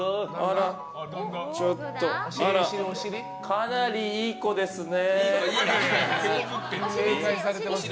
かなりいい子ですね。